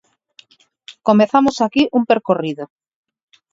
Comezamos aquí un percorrido.